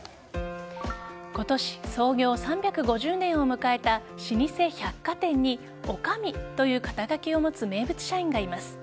今年、創業３５０年を迎えた老舗百貨店に女将という肩書きを持つ名物社員がいます。